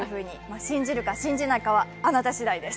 信じるか信じないかはあなたしだいです。